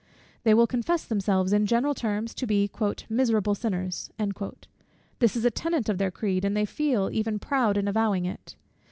They will confess themselves, in general terms, to be "miserable sinners:" this is a tenet of their creed, and they feel even proud in avowing it.